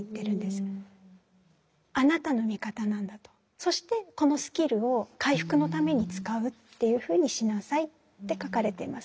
そしてこのスキルを回復のために使うっていうふうにしなさいって書かれてます。